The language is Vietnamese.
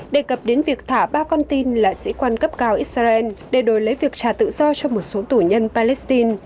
đề cập đến việc thả ba con tin là sĩ quan cấp cao israel để đổi lấy việc trả tự do cho một số tù nhân palestine